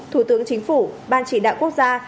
thủ tướng chính phủ ban chỉ đạo quốc gia